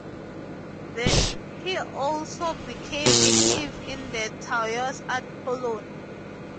He also became active in the Taos art colony.